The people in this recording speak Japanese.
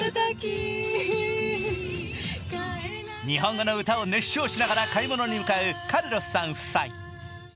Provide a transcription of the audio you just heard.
日本語の歌を熱唱しながら買い物に向かうカルロスさん夫妻